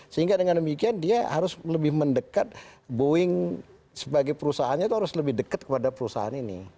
sehingga dengan demikian dia harus lebih mendekat boeing sebagai perusahaannya itu harus lebih dekat kepada perusahaan ini